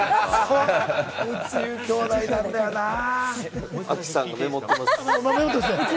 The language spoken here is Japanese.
『宇宙兄弟』なんだよなぁ。